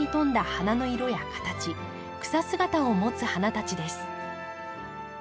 花の色や形草姿を持つ花たちです。